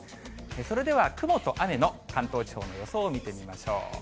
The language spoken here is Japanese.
それでは雲と雨の関東地方の予想を見てみましょう。